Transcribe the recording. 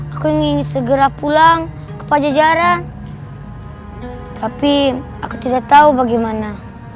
aku ingin segera pulang ke pajajaran tapi aku tidak tahu bagaimana